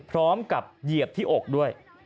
พร้อมกับเหยียบที่อกด้วย